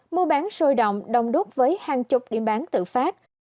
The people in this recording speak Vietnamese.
mua bán sôi động đồng đúc với hàng chục điểm bán tự phát